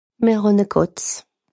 Mìr hàn e Kàtz.